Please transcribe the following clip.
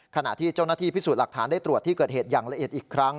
ขณะที่เจ้าหน้าที่พิสูจน์หลักฐานได้ตรวจที่เกิดเหตุอย่างละเอียดอีกครั้ง